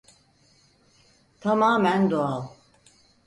Tamamen doğal.